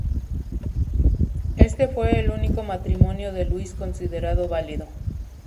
Este fue el único matrimonio de Luis considerado válido.